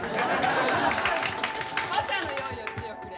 馬車の用意をしておくれ。